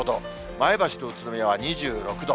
前橋と宇都宮は２６度。